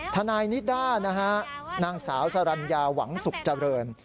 ทนายนี้ด้านนะฮะหนังสาวสลัญญาหวังศุกร์เจอร์เริ่ม